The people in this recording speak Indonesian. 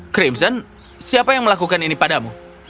crimson siapa yang melakukan ini padamu